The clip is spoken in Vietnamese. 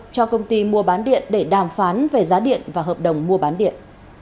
cho công ty mua bán điện để đàm phán về giá điện và hợp đồng mua bán điện